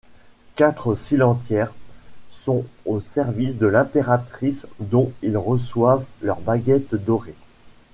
Quatre silentiaires sont au service de l'impératrice dont ils reçoivent leur baguette dorée.